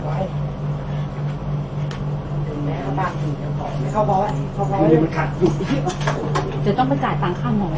เต็มแมวมากไม่เข้าบอสมันขัดจะต้องแก่ตังค์ค่ะมองไป